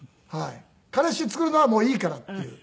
彼氏作るのはもういいからっていう。